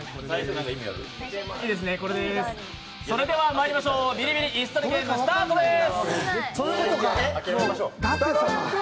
それではまいりましょう「ビリビリ椅子取りゲーム」スタートです。